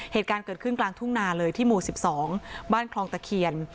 เหตุการณ์เกิดขึ้นกลางทุ่งนาเลยที่หมู่๑๒บ้านคลองตะเคียน